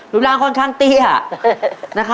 ร่างค่อนข้างเตี้ย